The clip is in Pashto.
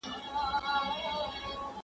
¬ چي خوله ئې راکړې ده، رزق هم راکوي.